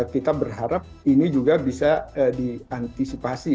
kita berharap ini juga bisa diantisipasi